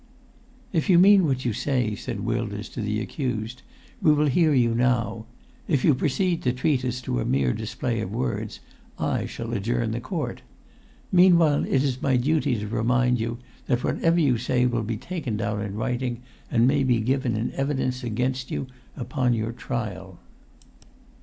"If you mean what you say," said Wilders to the accused, "we will hear you now; if you proceed to treat us to a mere display of words, I shall adjourn the court. Meanwhile it is my duty to remind you that whatever you say will be taken down in writing, and may be given in evidence against you upon your trial."